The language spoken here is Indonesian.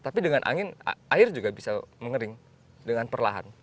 tapi dengan angin air juga bisa mengering dengan perlahan